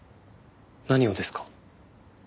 何をですか？